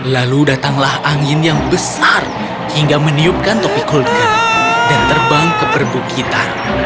lalu datanglah angin yang besar hingga meniupkan topi kuliner dan terbang ke perbukitan